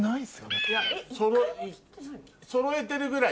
そろえてるぐらい？